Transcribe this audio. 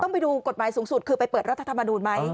ไปดูกฎหมายสูงสุดคือไปเปิดรัฐธรรมนูลไหม